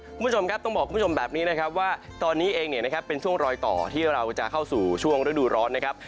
คุณผู้ชมครับต้องบอกคุณผู้ชมแบบนี้นะครับว่าตอนนี้เองเนี่ยนะครับเป็นช่วงรอยต่อที่เราจะเข้าสู่ช่วงฤดูร้อนนะครับ